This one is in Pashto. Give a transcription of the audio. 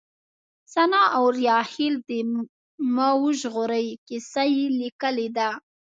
سناء اوریاخيل د ما وژغورئ کيسه ليکلې ده